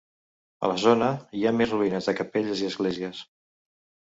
A la zona hi ha més ruïnes de capelles i esglésies.